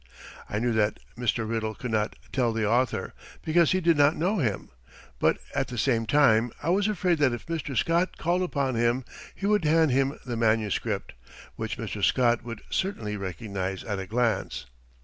I knew that Mr. Riddle could not tell the author, because he did not know him; but at the same time I was afraid that if Mr. Scott called upon him he would hand him the manuscript, which Mr. Scott would certainly recognize at a glance.